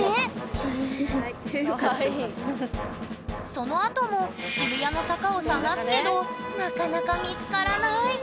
そのあとも渋谷の坂を探すけどなかなか見つからない。